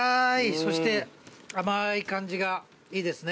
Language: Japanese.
そして甘ーい感じがいいですね。